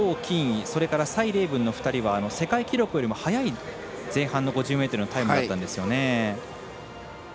それから、蔡麗ぶんの２人は世界記録よりも速い前半の５０ｍのタイムだったんですよね。